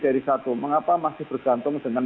dari satu mengapa masih bergantung dengan